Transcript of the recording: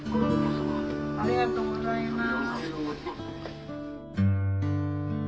ありがとうございます。